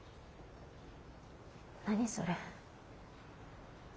何それ。